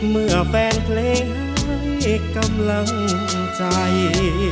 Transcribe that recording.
เมื่อแฟนเพลงให้กำลังใจ